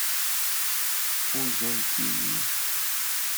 Uzunt-iyi.